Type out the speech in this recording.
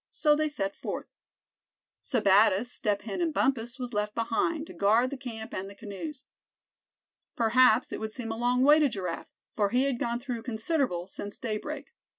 So they set forth. Sebattis, Step Hen and Bumpus was left behind, to guard the camp and the canoes. Perhaps it would seem a long way to Giraffe, for he had gone through considerable since daybreak.